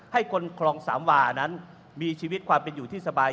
ให้คนคลองสามวานั้นมีชีวิตความเป็นอยู่ที่สบาย